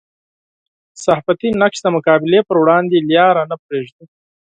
صحافتي نقش د مقابلې پر وړاندې لاره نه پرېږدي.